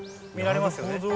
見られますよね。